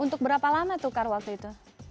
untuk berapa lama tuh kak waktu itu